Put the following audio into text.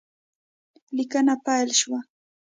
لیکنه پیل شوه